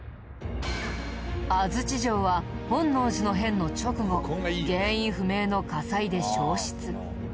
安土城は本能寺の変の直後原因不明の火災で消失。